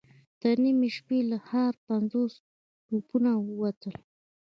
تر نيمې شپې له ښاره پنځوس توپونه ووتل.